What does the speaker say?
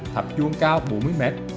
thạp chuông cao bốn mươi m